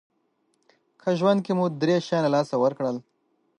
که ژوند کې مو درې شیان له لاسه ورکړل